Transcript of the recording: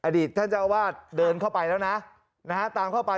อดีตท่านเจ้าอาวาสเดินเข้าไปแล้วนะตามเข้าไป